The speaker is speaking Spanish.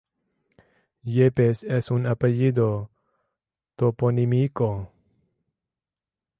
Yepes es un apellido toponímico.